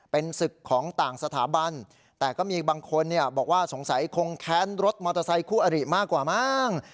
เป็นศึกของต่างสถาบันแต่ก็มีบางคนบอกว่าสงสัยคงแค้นรถมอเตอร์ไซคู่อริมากกว่ามั้ง